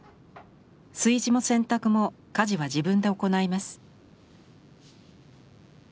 炊事も洗濯も家事は自分で行います。